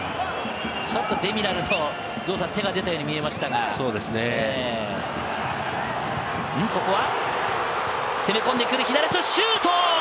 ちょっとデミラルの手が出たように見えましたが、ここは攻め込んでくる、左足のシュート。